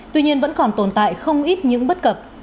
tuy nhiên vẫn còn tồn tại không ít những bất cập